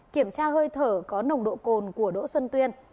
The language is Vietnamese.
kiểm tra hơi thở có nồng độ cồn của đỗ xuân tuyên